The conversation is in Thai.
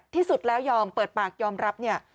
ที่สุดแล้วยอมเปิดปากยอมรับเนี่ย